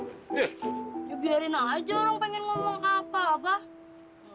ya biarin aja orang pengen ngomong apa abah